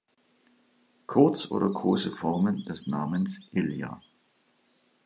Kurz- oder Koseformen des Namens Ilja.